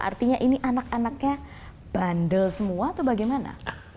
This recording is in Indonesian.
artinya ini anak anaknya bandel semua atau bagaimana